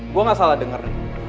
gue gak salah denger